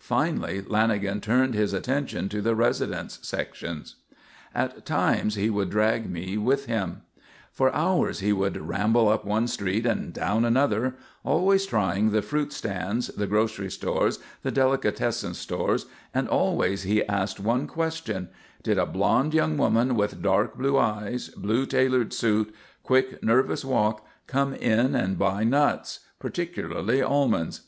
Finally Lanagan turned his attention to the residence sections. At times he would drag me with him. For hours he would ramble up one street and down another, always trying the fruit stands, the grocery stores, the delicatessen stores, and always he asked one question: Did a blond young woman, with dark blue eyes, blue tailored suit, quick, nervous walk, come in and buy nuts, particularly almonds?